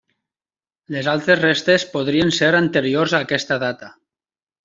Les altres restes podrien ser anteriors a aquesta data.